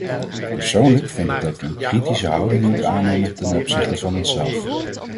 Persoonlijk vind ik dat we een kritischer houding moeten aannemen ten opzichte van onszelf.